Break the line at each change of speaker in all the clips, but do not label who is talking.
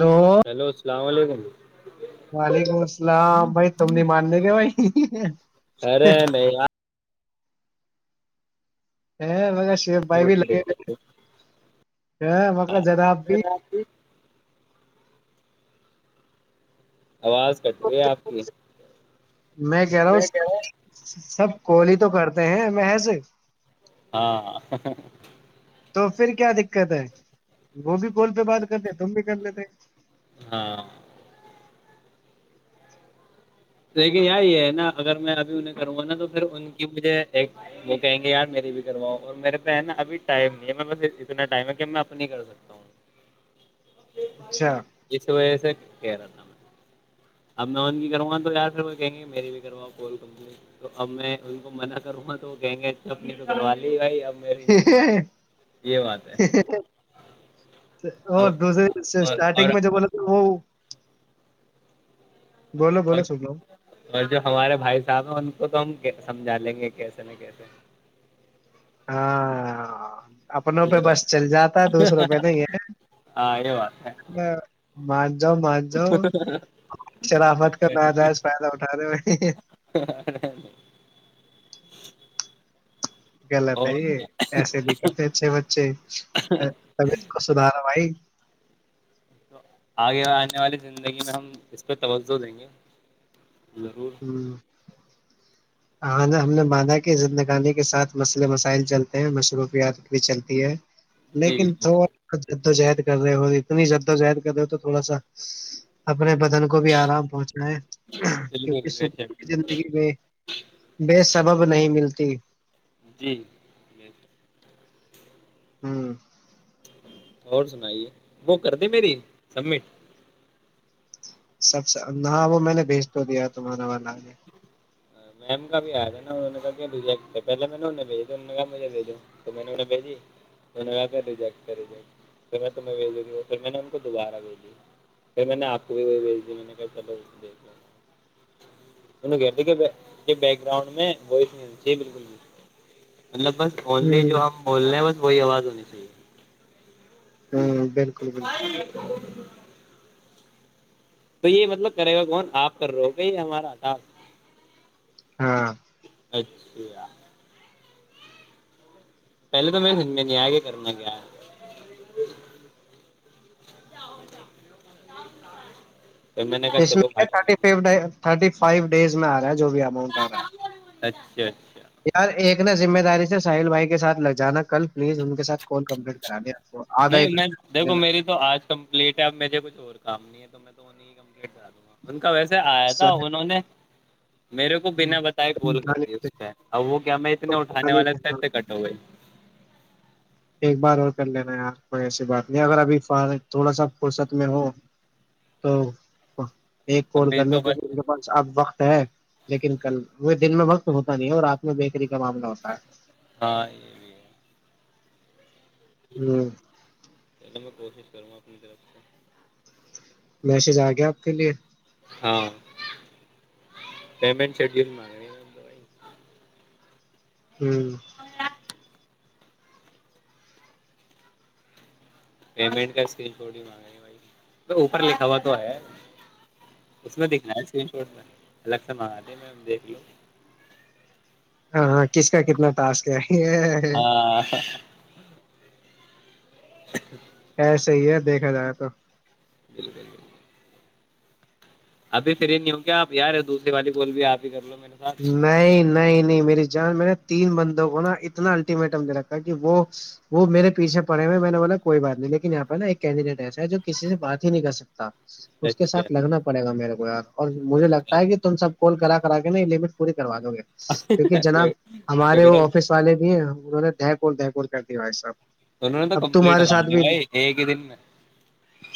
Hello
hello السلام علیکم ج [inaudible]
وعلیکم السلام بھائی تم نے ماننے کہ بھائی
ارے میں یار
[unintelligible] شی بھائی
یار
بھی لگے ہوے مق زدا آپ بھی
آواز کٹ رہی ہے آپ
میں کہہ رہا ہوں سب کولی تو کرتے ہیں محض
ہاں
تو پھر کیا دقت ہے وہ بھی کال پہ بات کرتے تم بھی کر لیتے
ہاں لیکن یار یہ ہے نا اگر میں ابھی انہیں کروں گا نا تو پھر ان کی مجھے ایک وہ کہیں گے یار میری بھی کرواؤں اور میرے پہ ہے نا ابھی ٹائم ہے بس اتنا ٹائم ہے کہ میں اپنی کر سکتا ہوں
اچھا
اس وجہ سے کہہ رہا تھا میں اب میں انکی کروں گا ہار روپئے گیں گے میری بھی کرا کال کمپنی تو اب میں ان کو منع کروں گا تو گیں گے اپ نے کروا لی بھائی اب میری نہیں کروا رہے یہ بات ہے اب
اور دوسرے
اور
اسٹارٹنگ میں جو بولے تھا وہ بولو
اور
بولو سن لو
اور جو ہمارے بھائی صاحب ہیں ان کو تو ہم سمجھا لیں گے کیسے نا کیسے
ہاں اپنوں
یہ
پہ بس
بات
چل جاتا ہے دوسروں پہ نہیں ہے
ہاں یہ بات
[inaudible] جاؤ مان جاؤ شرامت کا ن
ہے
جائج فائدہ اٹھان رہے میں
[inaudible]
غلط ہے
اور
یہ ایسے بھی کرتے اھے بچے طبیعت کو سدھارا بھائی
تو آگے آنے والی زندگی میں ہم اس پہ توجہ دیں گے ضرور
ہمم ہ نے ہم نے مانا کہ عت نکانی کے ساتھ مسئلے مسائل چلتے ہیں مصروفیات بھی چلتی ہے
جی
لیکن تھوڑا وقت جو جہد کر رہے ہو اتنی جدوجہد کر رہے ہو تو تھوڑا سا اب اپنے بدن کو بھی آرام پہنچنا ہے
بالکل بے
سکون
شک.
زندگی میں بیسٹ [unintelligible] سبب نہیں ملتی
جی
ہوں
اور سنائیے وہ کر د میری سبمٹ
سب سے نہاں وہ میں نے بھیج تو دیا تمہارا والا نے
میم کا بھی آیا تھا نا انہوں کہا کہ ریجیکٹ پہلے میں نے انہیں بھیجی انہوں کہا مجھے بھیجوں تو میں نے انہیں بھیجی تو انہوں کہا کہ ریجیکٹ کر ریجیکٹ پھر میں تمہیں بھیجوں گیوں پھر میں نے ان کو دوبارہ بھیج دیی پھر میں نے آپ کو بھی وہ بھیج دی میں نے کہا چلو دیکھ ل انوں کہیک گاؤنڈ میں و بکل بھی [unintelligible] مطلب بس اونلی جو ہم بول رہے ہیں بس [unintelligible] کوئی آواز ہونی چاہیے
ہ بالکل بالکل
جی [inaudible] تو یہ مطلب کرے گا کون آپ کر رہے ہوگے یہ ہمارا ہٹپ
ہاں
اچھا [inaudible] پہلے تو میں نے آگ کرنا کیا [unintelligible]
اس میں
چلو
کیا
بھائی
تھرٹی ف [unintelligible] تھرٹی فائیو ڈیز میں آ رہا ہے جو بھی اماؤنٹ آ رہا ہے
اچھاچ [unintelligible]
یار ایک نا ذمہ داری سے سال بھائی کے ساتھ لگ جانا کل پلیز ان کے ساتھ کال کمپلیٹ کرا دیا
نہیں میں دیکھو میری تو آج کمپلیٹ ہے اب مجھے کچھ اور کام نہیں ہے میں تو انیں کمپینٹ کرا دوں گا [unintelligible] کا ویسے آیا تھا انہوں نے [unintelligible] میرے کو بنا بتائے بول کرتی اس پہ ا وہ کیا میں اتنے اٹھانے والے پے کٹ ہو گئی
ایک بار اور کر لینا ہے یار کوئی ایسی بات نہیں اگر ابھی فار تھوڑا سا فرصت میں ہو تو ایک کال
ابھی
کرنے
تو بس
کیک اب وقت لیکن کل وہ دن میں وقت ہوتا نہیں ہے اور رات میں بیکری معاملہ ہوتا ہے
ہاں یہ بھی ہے
ہوں
چلو میں کوشش کروں گ اپنی طرف سے [unintelligible]
میسج آ گیا آپ کے لیے
ہاں پیمنٹ شیڈ مگنی [unintelligible]
ہوں
پیمنٹ کا اسکری شاٹ ہی مانگ رہ بھائی اوپر لکھا ہوا تو ہے اس میں دکھنا ہے اسکری شاٹ میں الگ سے منگا د میں دیکھ لوں [unintelligible]
ہاں ہاں کس کا کتنا ٹاس کیا
ہاں اچ [unintelligible]
ای صحی ہے دیکھا جائے تو
جال گل ج ابھی فری نہیں ہ ہووں کیا آپ یار دوسری والی بول بھی آپ ہی کر لو میرے ساتھ
نہیں نہیں نہیں نہیں میری جان میں نے تین بندوں کو نا اتنا الٹیمیٹم دے رکھا ہے کہ وہ وہ میرے پیھے پڑے ہوئے میں نے بولا کوئی بات نہیں لیکن یہاں پہ نا ایک کینڈیڈیٹ ایسا ہے جو کسی سے بات ہی نہیں کر سکتا اس کے
اچھا
ساتھ لگنا پڑے گا میرے کو کو اور مجھے لگتا ہے کہ تم سب کلا ک [unintelligible] پڑ [inaudible] کروا دو گے کیونکہ جناب ہمارے وہ آفس والے بھی ہیں انہوں نے دھ کوول دہیکور کر دیا ہوا ہے سب
انہوں نے تو
اب
کمپلیٹ
تمہارے
مار
ساتھ
دی
بھی
بھائی ایک ہی دن میں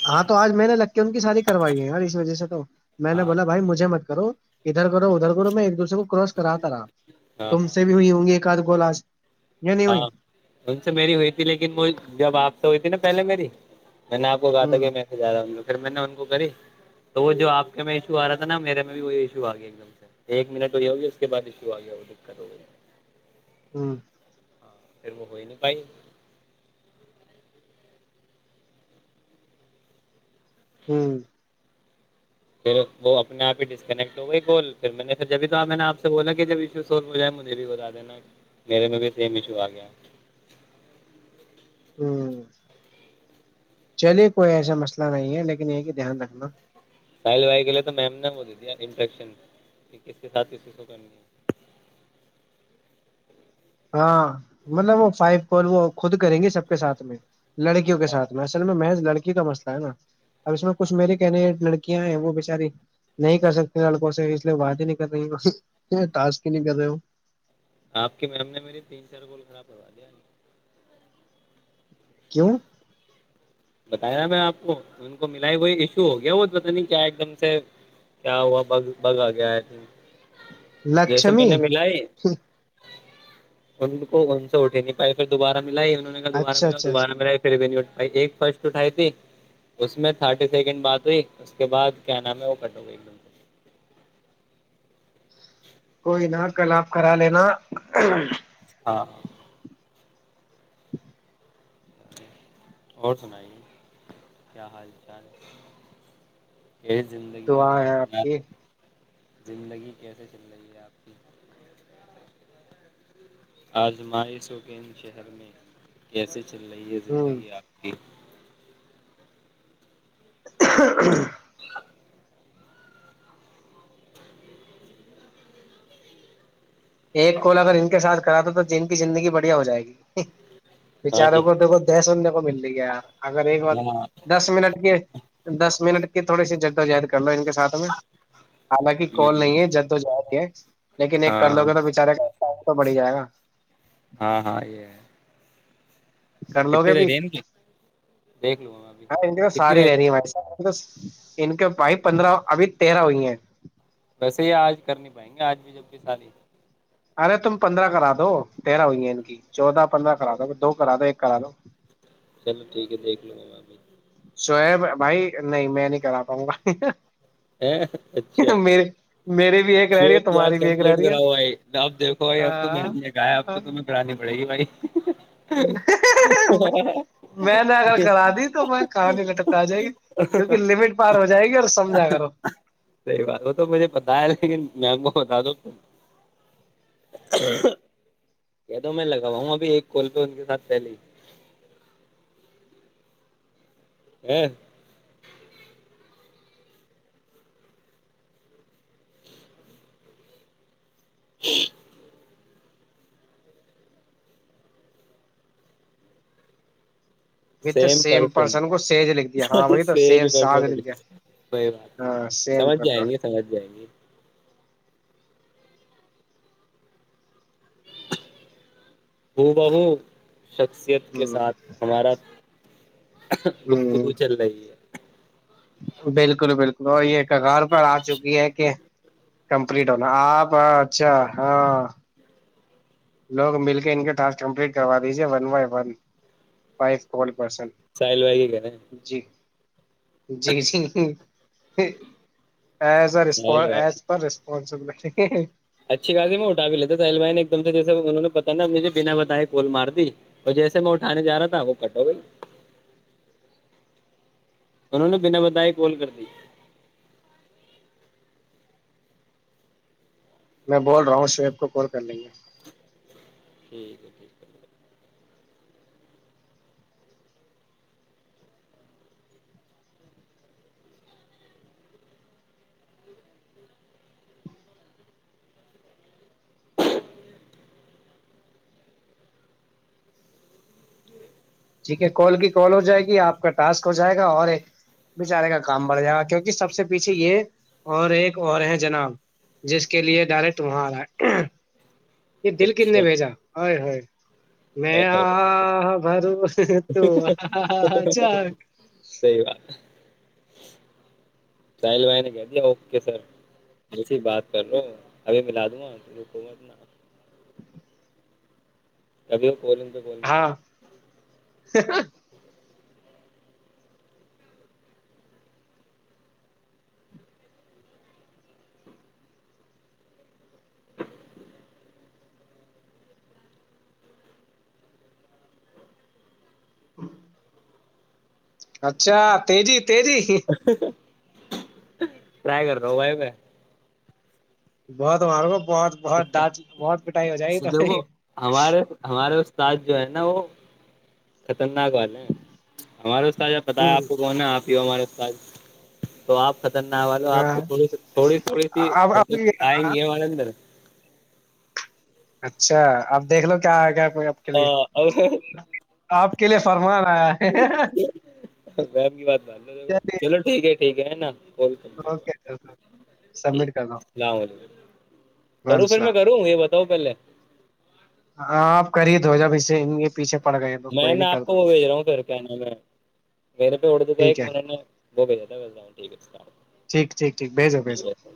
ہاں تو آج میں نے لگ کے ان کی ساری کروائی ہے ار اس وجہ سے تو میں نے
ہاں
بولا بھائی مجھے مت کرو [unintelligible] ادھر کرو ادھر میں ایک دوسرے کو کراس کراتا رہا
ہاں
تم
ہاں
سے بھی ہوئی ہوں گی ایک آدمی [unintelligible] گولاج [unintelligible]
ہاں ان سے میری ہوئی تھی لیکن وہ جب آپ سے ہوئی تھی نا پہلے میری [unintelligible] میں نے آپ کو کہا تھا
ہوں
کہ میں سے جاوں گا پھر میں نے وہ کری تو وہ جو آپ کے میں ایشو آ رہا تھا نا میرے میں بھی وہ ایشو آ گیا ایک دم سے ایک منٹ وہی ہوگی اس کے بعد ایشو آ گیا وہ دقت ہو گئی [unintelligible]
ہوں [unintelligible]
ہاں پھر میں ہوئی نہیں پائی [unintelligible]
ہوں [unintelligible]
پھر وہ اپنے آپ ہی ڈسکنیکٹ ہو گئی کال پھر میں نے پھر جبھی تو میں نے آپ سے بولا کہ جب ایشو سولو ہو جائے مجھے بھی بتا دینا میرے میں بھی سیم ایشو آ گیا
ہوں چلیے کوئی ایسا مسئلہ نہیں ہے لیکن یہ کہ دھیان رکھنا
ساحل بھائی کے لیے تو میم نے ب د دیا انفیکشن کس کے ساتھ کسی کو کرنی ہے
ہاں مطلب وہ فائو کال وہ خود کریں گی سب کے سھ میں لڑکیوں کے ساتھ میں اصل میں محض لڑکی کا مسئلہ ہے نا اب اس میں کچھ میرے کہنے لڑکیاں ہیں وہ بچاری نہیں کر سکتی لڑکوں سے اس لیے بات ہی نہیں کر رہیا ہی نہیں کر رہے ہو
آپ کی میم نے میری تین چار گول خراب کروا دیا
کیوں [unintelligible]
بتایا میں آپ کو ان کو ملاائی وہئی ایشو ہو گیا وہ پت نہیں کیا ایک دم سے کیا ہوا ب بگ آ گیا ہے
لچھمی
ان کو ان سے اٹے نہیں پائی پھر دوبارہ میں ملا ہی انوں نے کہ دوبارہ
اچھا
میںلا
اچھا
دوبارہ
اچھا
میں ملاائی پھر ایک [unintelligible] فرسٹ اٹھائی تھی اس میں تھرٹی سیکنڈ بات ہوئی اس کے بعد کیا نام ہے وہ کٹ ہو گئی ایک دم سے
کوئی نا کل آپ کرا لینا
ہاں اور سناائی کیا حال چال ہے یہ زندگی کا
دعا
دار
ہے
و
آپ
منار
کی
زندگی کیسے چل رہی ہے آپ کی آج مائ سوک ان شہر میں کیسے چل رہی ہے
ہوں
زندگی آپ کی
[inaudible] ایک کال اگر ان کے ساتھ کرات دو تو جن کی زندگی بڑھیا ہو جائے گی ب
ہاں
چاروں
جی
کو تو دہ سوں وہ ملتی گیا اگر ایک بار
ہاں
دس منٹ کے دس منٹ کے تھوڑ سی جدوجہد کرو ان کا ساتھ میں حالانکہ کال نہیں ہے جد و جی ہے چ [inaudible] لیکن ایک کر
ہاں
لوگا بچارے کا تو بڑھی جائے گا
ہاں ہاں یہ ہے
کر لو گے
کتنے
بھی
رہ رہی ہیں ان کی دیکھ لوں گا میں ابھی
ہاں ساری رہ رہی ہے ہمارے ساتھ بس ان کے بھائی پندرہ ابھی تیرہ ہوئی ہیں
ویسے یہ آج کرنی پائیں گے آج بھی جبک سادی
ارے تم پندرہ کرا دو تیرہ ہوئییں کی چودہ پندرہ کرا دو دو کرا دو ایک کرا دو
چلو ٹھیک ہے دیکھ لوں اب بھی
سویب بھائی نہیں میں نہیں کرا پاؤں گ
ہ اچھا
میری بھی ایک رہ رہی
پ
ہے
پیاز
تمہاری بھی ایک رہ
کمپلیٹ
رہی ہے
کراؤ بھائی آپ دیکھو بھائی اب تو م نےگایا اب تویں کرانی پڑے گی بھائی
میں نے اگر کرا دی تو میں کہانی لٹک آ جائے گی کیونکہ لمٹ پار ہو جائے گی اور سمجھا کرو
صحیح بات وہ تو مجھے پتا ہے لیکن میم کو بتا دو کہ تو میں لگوا ہوں ابھی ایک کول پہ ان کے ساتھ پہل ہاں [inaudible]
وت
سیم پرسن
کو سیج لکھ دیا ہاں وہی تو
کوئی
سیم ساج لکھ دیا
بات نہیں
ہاں سیم
سمجھ
پتا
جائیں گے سمجھ جائیں گے وہ بابو شخصیت کے
ہ
ساتھ ہمارا
ہ
گفتگو چل رہی ہے
بالکل بالکل اور یہ ک گار پر آ چکی ہے کہ کمپلیٹ ہونا آپ اچھا ہاں لوگ مل کے ان کے ٹاسٹ کمپلیٹ کروا دیجیے ون بائی ون ف پرسن
ساحل بھائی کے کہہ رہے ہیں
جی جی جی [unintelligible] ایز ا رپ
ساحل بھائی
ایز [unintelligible]
اچھی گااتی میں اٹھا بھی لیتا تھاو نے ایک دم سے جیسے انہوں نے پتا نا مجھے بنا بتائے گول مار دی اور جیسے میں اٹھانے جا رہا تھا وہ کٹ ہو گئی انہوں نے بنا بندائے کال کر دی
میں بول رہا ہوں شعیب کو کال کر ل گے
ٹھیک ہے
ٹھیک ہے کال کی کال ہو جائے گی آپ کا ٹاسک ہو جائے گا اور ایک بچارے کا کام بڑھ جائے گا کیونکہ سب سے پیچھے یہ اور ایک اور ہے جناب جس کے لیے ڈائریکٹ وہاں آ رہا ہے یہ
ہے
دل کن نے
اچھا
بھیجا ہو میں آ بھرو تو جائے
سل نے کہ دیا اوکے سر و بات کر لو ابھی میںلا دوں گا حکومت ن ابھی [unintelligible]
ہاں [unintelligible] اچھا تجت تری
ٹرائی کر رہا ہوں بھائی میں
بہت ہمار کو بہت بہت دانت بہت پٹائی ہو جائے گی تاری
سج جو ہے نا وہ خطرناک والے ہیں ہمارے اسب پتا ہے
ہوں
آپ کو کون ہے آپ ہمارے پاس تو آپ خطرناک والو آپ سے
ہاں
تھی تھوڑی تھوڑی سی
اب
حرکت آئیں
اب
گی ہے ہمارے اندر
اچھا اب دیکھ لو کیا آ گ آ کے لیے
ہاں اب
آپ کے لیے فرمان آیا ہے
وم کی بات مان ل
چلیے
چلو ٹھیک ہے ٹھیک ہے نا
اوکے سبمٹ کر دو
اللام علیکم
وعلیکم
کروں پھر میں
السلام
کروں یہ بتاؤ پہلے
آاں آپ کر ہید ہو جابے پیچھے پڑ گئے تو
میں
کوئی
نے
نہیں
آپ
کر
کو
دو
وہ بھیج رہا ہوں پھر کیا نام میں میرے پہ اڑد کا ایک
ٹھیک ہے
نے وہ بھیجا تھاایک
ٹھیک ٹھیک ٹھیک بھیجو بھیجو
ہے